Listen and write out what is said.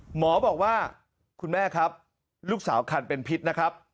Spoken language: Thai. หมอบอกว่าคุณแม่ครับลูกสาวคันเป็นพิษนะครับ